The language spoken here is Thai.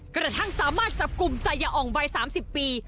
กระทั่งสามารถจับกลุ่มไซยาอ่องวัย๓๐ปี